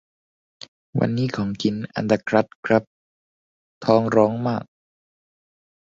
วันนี้ของกินอัตคัดครับ ท้องร้องมาก